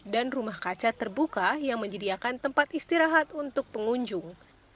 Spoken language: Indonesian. rumah kaca terbuka yang menyediakan tempat istirahat untuk pengunjung